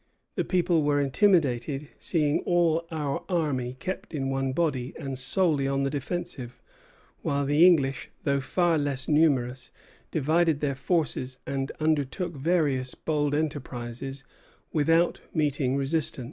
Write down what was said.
"The people were intimidated, seeing all our army kept in one body and solely on the defensive; while the English, though far less numerous, divided their forces, and undertook various bold enterprises without meeting resistance."